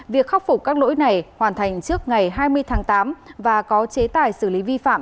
việc khắc phục các lỗi này hoàn thành trước ngày hai mươi tháng tám và có chế tài xử lý vi phạm